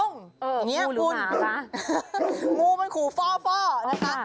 นี่คุณงูมันขู่ฟ่อนะคะ